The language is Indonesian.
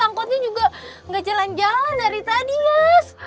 angkotnya juga gak jalan jalan dari tadi yas